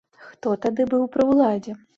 Хто тады быў пры ўладзе?